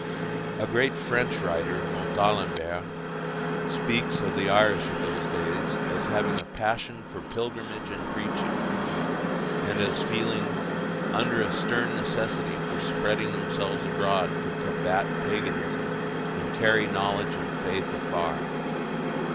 A great French writer, Montalembert, speaks of the Irish of those days as having a "Passion for pilgrimage and preaching," and as feeling "under a stern necessity of spreading themselves abroad to combat paganism, and carry knowledge and faith afar."